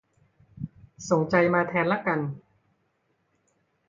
ส่งใจมาแทนละกัน